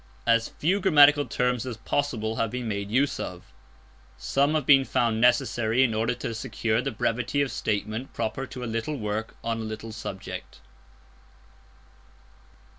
As few grammatical terms as possible have been made use of. Some have been found necessary in order to secure the brevity of statement proper to a little work on a little subject.